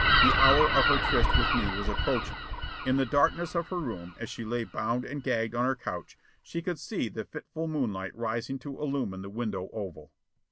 The hour of her tryst with me was approaching. In the darkness of her room as she lay bound and gagged on her couch, she could see the fitful moonlight rising to illumine the window oval.